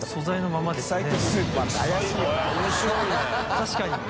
確かに。